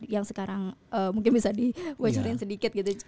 yang sekarang mungkin bisa dibocorin sedikit gitu